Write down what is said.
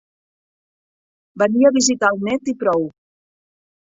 Venia a visitar el net, i prou.